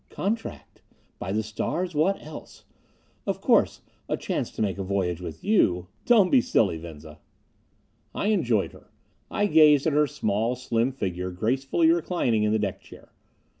"Contract. By the stars, what else? Of course, a chance to make a voyage with you " "Don't be silly, Venza." I enjoyed her. I gazed at her small, slim figure gracefully reclining in the deck chair.